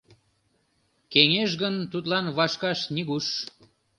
Кеҥеж гын, тудлан вашкаш нигуш.